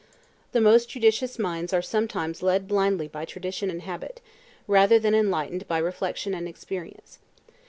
The most judicious minds are sometimes led blindly by tradition and habit, rather than enlightened by reflection and experience.